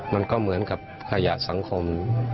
มันก็เหมือนกับขยะสังคม